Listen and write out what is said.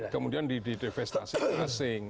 kemudian di devastasi ke asing